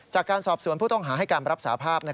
จากการสอบสวนผู้ต้องหาให้การรับสาภาพ